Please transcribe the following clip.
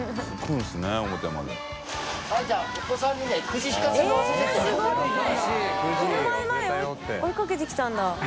車まで追いかけてきたんだ。